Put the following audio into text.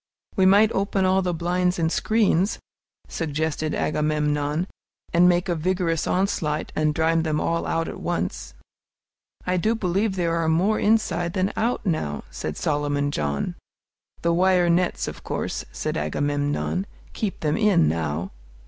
"We might open all the blinds and screens," suggested Agamemnon, "and make a vigorous onslaught and drive them all out at once." "I do believe there are more inside than out now," said Solomon John. "The wire nets, of course," said Agamemnon, "keep them in now."